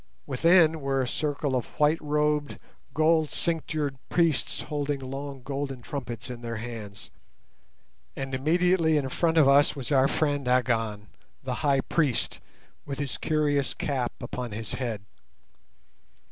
Within were a circle of white robed gold cinctured priests holding long golden trumpets in their hands, and immediately in front of us was our friend Agon, the High Priest, with his curious cap upon his head.